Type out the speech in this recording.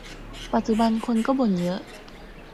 ปัจจุบัน คนก็บ่นเยอะ